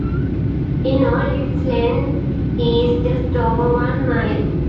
In all, its length is just over one mile.